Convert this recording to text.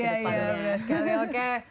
iya benar sekali oke